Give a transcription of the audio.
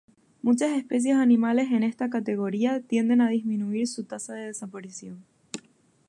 Muchas especies animales en esta categoría tienden a disminuir su tasa de desaparición.